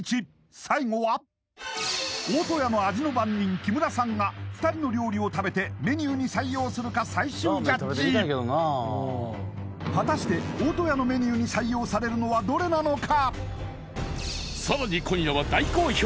最後は大戸屋の味の番人木村さんが２人の料理を食べてメニューに採用するか最終ジャッジ果たして大戸屋のメニューに採用されるのはどれなのか？